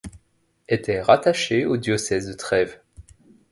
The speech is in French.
Était rattachée au diocèse de Trèves.